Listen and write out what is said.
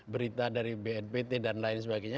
berita dari bnpt dan lain sebagainya